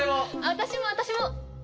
私も私も！